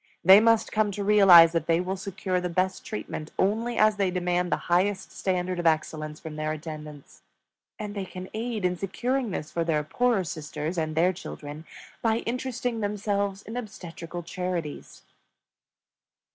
They must come to realize that they will secure the best treatment only as they demand the highest standard of excellence from their attendants; and they can aid in securing this for their poorer sisters and their children by interesting themselves in obstetrical charities.